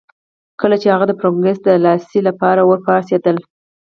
کله چي هغه د فرګوسن د دلاسايي لپاره ورپاڅېدل.